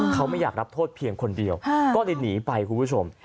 เขาไม่อยากรับโทษเพียงคนเดียวก็เลยหนีไปคุณผู้ชม